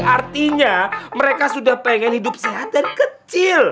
artinya mereka sudah pengen hidup sehat dan kecil